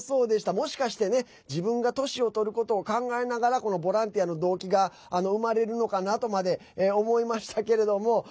もしかしてね自分が年をとることを考えながらこのボランティアの動機が生まれるのかなとまで思いましたけれども。